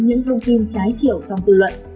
những thông tin trái chiều trong dư luận